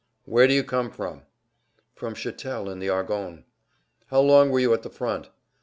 "Where do you come from?" "From Chatel in the Argonnes." "How long were you at the front?"